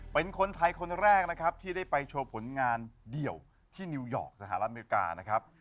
เป็นคนไทยคนแรกนะครับที่ได้ไปโชว์ผลงานเดี่ยวที่นิวยอร์กสหรัฐอเมริกานะครับ